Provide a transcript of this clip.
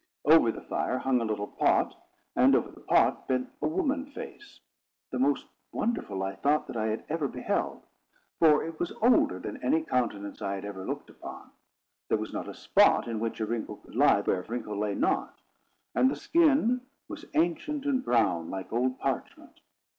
Over the fire hung a little pot, and over the pot bent a woman face, the most wonderful, I thought, that I had ever beheld. For it was older than any countenance I had ever looked upon. There was not a spot in which a wrinkle could lie, where a wrinkle lay not. And the skin was ancient and brown, like old parchment.